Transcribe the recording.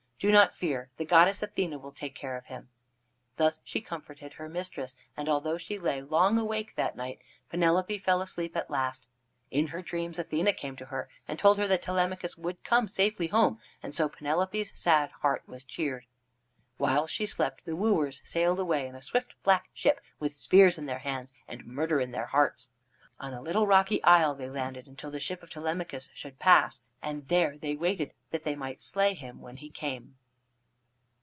Do not fear, the goddess Athene will take care of him." Thus she comforted her mistress, and although she lay long awake that night, Penelope fell asleep at last. In her dreams Athene came to her and told her that Telemachus would come safely home, and so Penelope's sad heart was cheered. While she slept the wooers sailed away in a swift, black ship, with spears in their hands and murder in their hearts. On a little rocky isle they landed until the ship of Telemachus should pass, and there they waited, that they might slay him when he came.